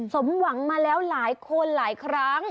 สมหวังมาแล้วหลายคนหลายครั้ง